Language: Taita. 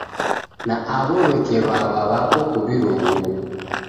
Na aw'o w'eke wawa w'apo kuw'iroghuo